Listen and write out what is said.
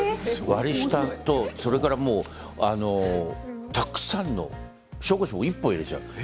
割り下と、それからたくさんの紹興酒を、１本入れちゃう。